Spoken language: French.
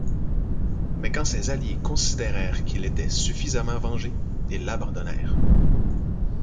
Mais quand ses alliés considérèrent qu'il était suffisamment vengé, ils l'abandonnèrent.